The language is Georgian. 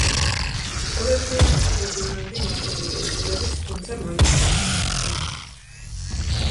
ყოველივე ამას ფერდინანდი მართალია იძულებით, თუმცა მაინც დასთანხმდა.